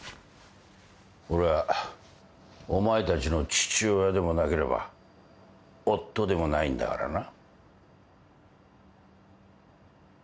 俺はお前たちの父親でもなければ夫でもないんだからな。